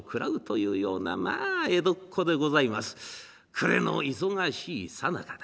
暮れの忙しいさなかだ。